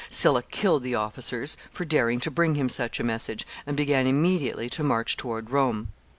Sylla killed the officers for daring to bring him such a message, and began immediately to march toward Rome.